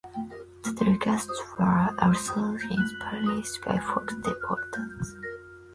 The telecasts were also simulcast in Spanish by Fox Deportes.